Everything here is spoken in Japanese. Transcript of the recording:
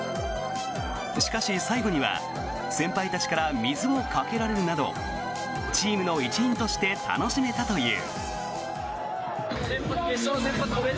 しかし、最後には先輩たちから水をかけられるなどチームの一員として楽しめたという。